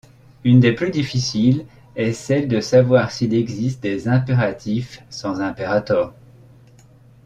Une des plus difficiles est celle de savoir s’il existe des impératifs sans imperator.